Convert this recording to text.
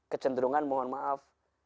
kecenderungan mohon maaf